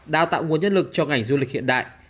đào tạo nguồn nhân lực cho ngành du lịch hiện đại